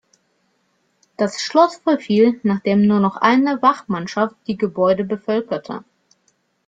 Das Schloss verfiel, nachdem nur noch eine Wachmannschaft die Gebäude bevölkerte.